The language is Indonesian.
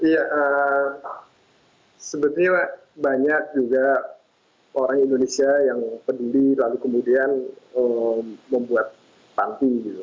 ya sebetulnya banyak juga orang indonesia yang peduli lalu kemudian membuat panti gitu